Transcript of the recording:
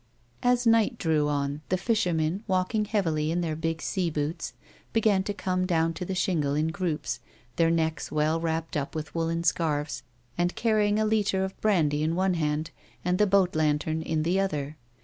As night drew on, the fishermen, walking heavily in their big sea boots, began to come down on the shingle in groups, their necks well wrapped up with woollen scarves, and carry ing a litre of brandy in one hand, and the boat lantern in the other.